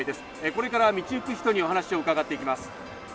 これから道行く人にお話を伺っていきます。